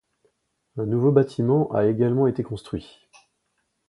Un nouveau bâtiment a également été construit.